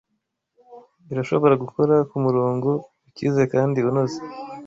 irashobora gukora kumurongo ukize kandi unoze.